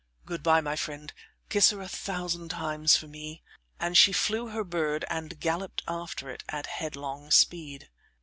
Good bye, my friend; kiss her a thousand times for me." And she flew her bird and galloped after it at headlong speed.